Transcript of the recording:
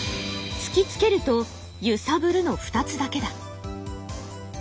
「つきつける」と「ゆさぶる」の２つだけだ。